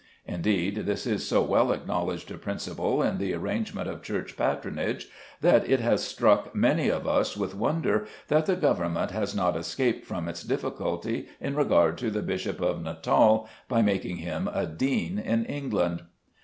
Indeed, this is so well acknowledged a principle in the arrangement of church patronage, that it has struck many of us with wonder that the Government has not escaped from its difficulty in regard to the Bishop of Natal by making him a dean in England.